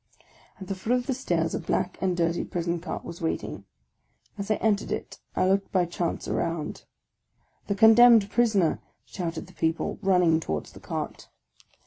At the foot of the stairs a black and dirty prison cart was waiting; as I entered it, I looked by chance around. " The Condemned Prisoner !" shouted the people, running towards the cart.